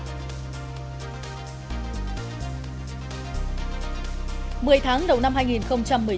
cần thơ xử lý nghiêm khu dân cư tự phát